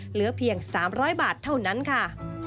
เหลือเพียง๓๐๐บาทเท่านั้นค่ะ